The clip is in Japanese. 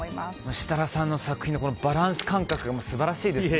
設楽さんの作品のバランス感覚素晴らしいですね。